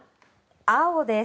青です。